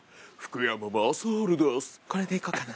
これでいこうかな。